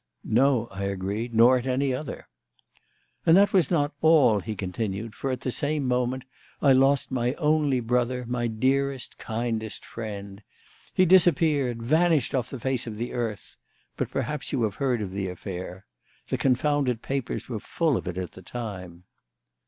"No," I agreed, "nor at any other." "And that was not all," he continued; "for, at the same moment, I lost my only brother, my dearest, kindest friend. He disappeared vanished off the face of the earth; but perhaps you have heard of the affair. The confounded papers were full of it at the time."